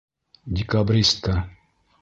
Декабристка!